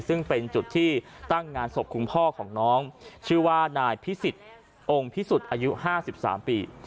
ซึ่งเป็นจุดที่ตั้งงานศพคุณพ่อของน้องชื่อว่านายพิสิทธิ์องค์พิสุทธิ์อายุ๕๓ปี